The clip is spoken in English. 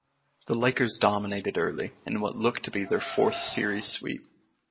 The Lakers dominated early, in what looked like to be their fourth series sweep.